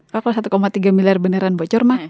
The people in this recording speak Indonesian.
kalau satu tiga miliar beneran bocor